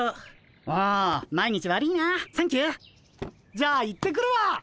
じゃあ行ってくるわ。